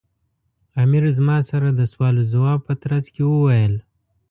امیر زما سره د سوال و ځواب په ترڅ کې وویل.